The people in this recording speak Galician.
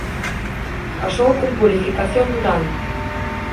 Casou con Purificación Durán.